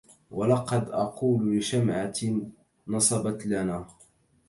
ولقد أقول لشمعة نصبت لنا